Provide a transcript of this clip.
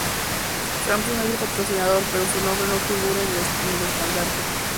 Samsung es el patrocinador pero su nombre no figura en el estandarte.